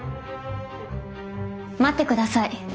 待ってください。